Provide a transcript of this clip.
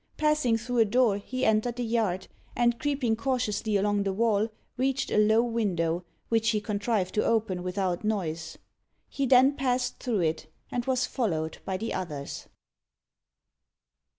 Passing through a door, he entered the yard, and creeping cautiously along the wall, reached a low window, which he contrived to open without noise. He then passed through it, and was followed by the others.